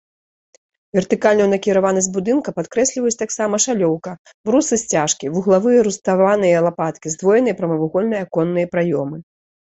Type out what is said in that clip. Вертыкальную накіраванасць будынка падкрэсліваюць таксама шалёўка, брусы-сцяжкі, вуглавыя руставаныя лапаткі, здвоеныя прамавугольныя аконныя праёмы.